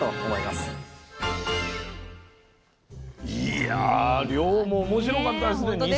いや漁も面白かったですね。